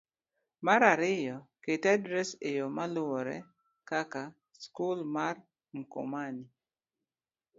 Mar ariyo, ket adres e yo maluwore, kaka: Skul mar Mkomani: